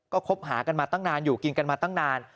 ก็คบหากันมาตั้งนานอยู่กินกันมาตั้งนาน